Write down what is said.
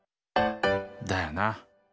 だよな！